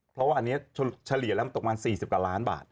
เพราะว่าอันนี้เฉลี่ยแล้วมันตกประมาณ๔๐กว่าล้านบาท